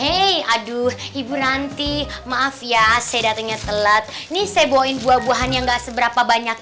hei aduh ibu nanti maaf ya saya datangnya telat nih saya bawain buah buahan yang enggak seberapa banyak